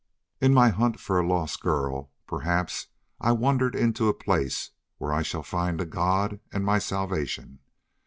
In my hunt for a lost girl perhaps I wandered into a place where I shall find a God and my salvation.